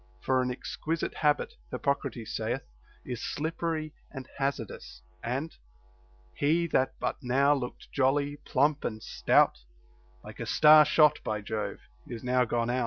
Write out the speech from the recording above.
For an exquisite habit, Hippocrates saith, is slippery and hazardous. And He that but now looked jolly, plump, and stout, Like a star shot by Jove, is now gone out ;* Aeschylus, Suppliants, 770.